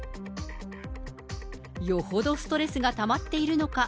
よほどストレスがたまっているのか。